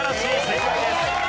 正解です。